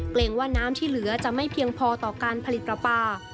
เกรงว่าน้ำที่เหลือจะไม่เพียงพอต่อการผลิตปลาปลา